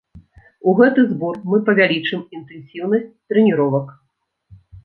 У гэты збор мы павялічым інтэнсіўнасць трэніровак.